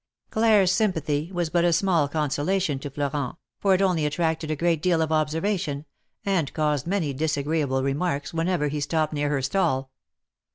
Claire's sympathy was but a small consolation to Flo rent, for it only attracted a great deal of observation, and caused many disagreeable remarks, whenever he stopped near her stall.